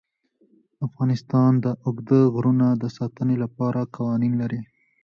افغانستان د اوږده غرونه د ساتنې لپاره قوانین لري.